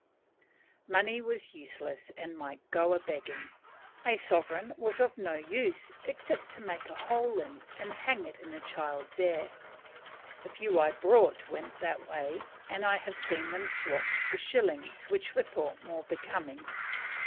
Money was useless and might go a begging. A sovereign was of no use, except to make a hole in and hang it in a child's ear. The few I brought went that way, and I have seen them swapped for shillings, which were thought more becoming.